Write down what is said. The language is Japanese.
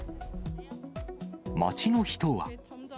街の人は。